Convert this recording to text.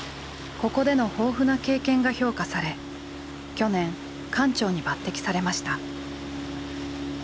ここでの豊富な経験が評価され去年館長に抜てきされました。